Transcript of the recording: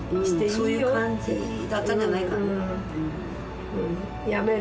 そういう感じだったんじゃないかね。